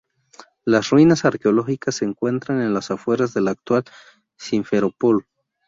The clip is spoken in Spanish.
Las ruinas arqueológicas se encuentran en las afueras de la actual Simferópol.